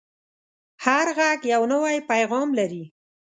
هر غږ یو نوی پیغام لري